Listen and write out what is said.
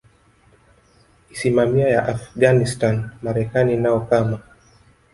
isimamia ya Afghanistan Marekani nao kama